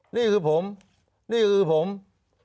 นี่คือผมนี่คือผม